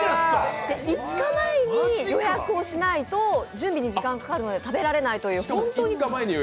５日前に予約をしないと準備に時間がかかるので食べられないと。